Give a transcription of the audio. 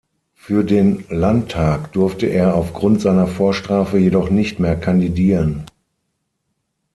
Für den Landtag durfte er aufgrund seiner Vorstrafe jedoch nicht mehr kandidieren.